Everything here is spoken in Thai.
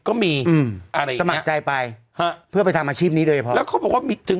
ก็มีอะอะไรอย่างเนี้ยห่ะเพื่อไปทำอาชีพนี้โดยเฉพาะแล้วก็บอกว่ามีถึง